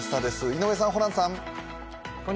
井上さん、ホランさん。